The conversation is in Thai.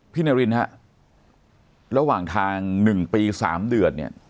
นารินฮะระหว่างทาง๑ปี๓เดือนเนี่ย